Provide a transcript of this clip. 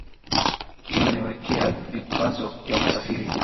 limemwekea vikwazo vya kusafiri